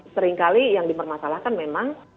seringkali yang dipermasalahkan memang